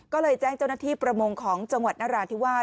ก็เลยแจ้งเจ้าหน้าที่ประมงของจังหวัดนราธิวาส